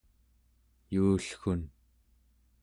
yuullgun